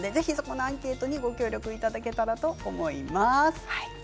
アンケートにご協力いただけたらと思います。